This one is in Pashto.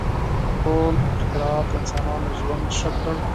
• ټول اختراعات د انسانانو ژوند ښه کړ.